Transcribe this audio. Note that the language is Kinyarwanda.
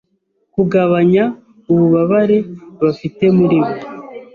Kugabanya ububabare bafite muribo